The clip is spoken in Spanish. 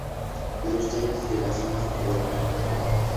Los tallos de las hojas de color naranja.